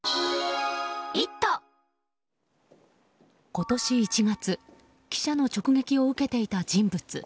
今年１月記者の直撃を受けていた人物。